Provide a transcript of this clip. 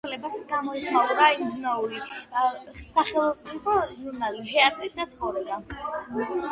მის გარდაცვალებას გამოეხმაურა იმდროინდელი სახელოვნებო ჟურნალი „თეატრი და ცხოვრება“.